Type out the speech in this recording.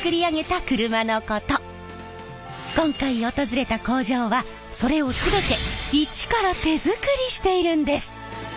今回訪れた工場はそれを全て１から手作りしているんです。